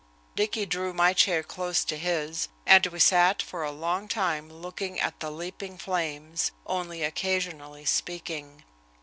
Dicky drew my chair close to his, and we sat for a long time looking at the leaping flames, only occasionally speaking.